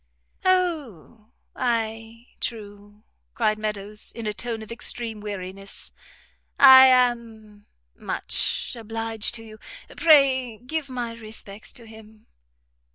"O, ay, true," cried Meadows, in a tone of extreme weariness, "I am much obliged to you. Pray give my respects to him."